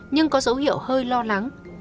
nhưng có dấu hiệu hơi lo lắng